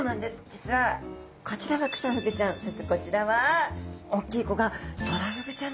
実はこちらがクサフグちゃんそしてこちらはおっきい子がトラフグちゃんなんですね。